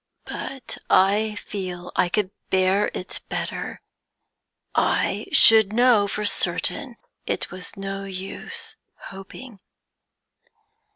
But I feel I could bear it better; I should know for certain it was no use hoping.'